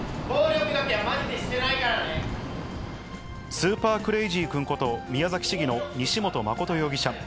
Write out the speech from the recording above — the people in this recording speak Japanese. スーパークレイジー君こと、宮崎市議の西本誠容疑者。